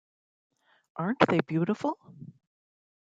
Aren't they beautiful?